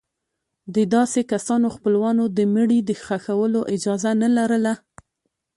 د داسې کسانو خپلوانو د مړي د ښخولو اجازه نه لرله.